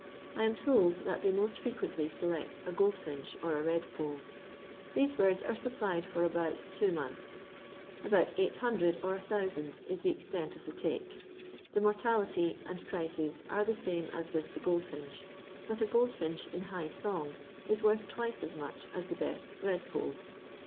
I am told that thej meat frequentlx leleet a goldfinch or a vedpole. Theee biidf are rapplied for about two Donthi. Aboat 800 or 1000 it the extent of the laka. The mortalitj and pricei are the nme as with the goldfinch, bat a goldfinch in high song is worth twioe as much as the best redpole.